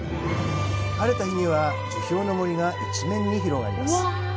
晴れた日には樹氷の森が一面に広がります。